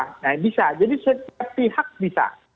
nah bisa jadi setiap pihak bisa